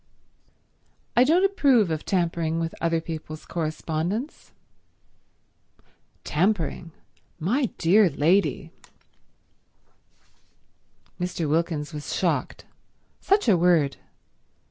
"I don't approve of tampering with other people's correspondence." "Tampering! My dear lady—" Mr. Wilkins was shocked. Such a word.